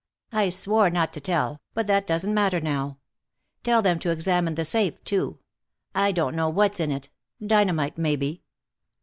I swore not to tell, but that doesn't matter now. Tell them to examine the safe, too. I don't know what's in it. Dynamite, maybe."